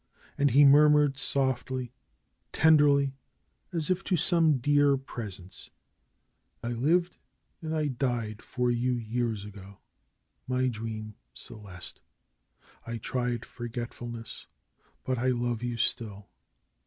And he murmured softly, tenderly, as if to some dear presence : 'H lived and I died for you years ago. My dream ! Celeste! I tried forgetfulness; but I love you, still.